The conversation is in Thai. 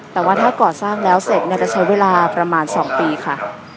แต่ว่าถ้าก่อสร้างแล้วเสร็จจะใช้เวลาประมาณ๒ปีค่ะ